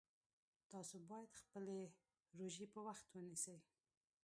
تاسو باید خپلې روژې په وخت ونیسئ